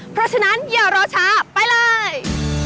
เพราะฉะนั้นอย่ารอช้าไปเลย